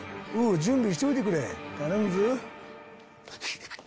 準備しといてくれ頼むぞ。